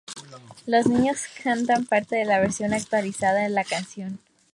Los niños cantan partes de la versión actualizada de la canción.